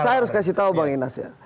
saya harus kasih tahu bang inas ya